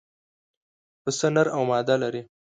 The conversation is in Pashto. پسه نر او ماده لري.